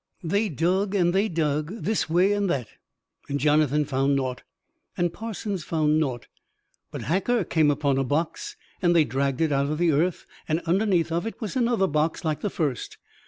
They dug and they dug, this way and that; and Jonathan found nought, and Parsons found nought; but Hacker came upon a box, and they dragged it out of the earth, and underneath of it was another box like the first.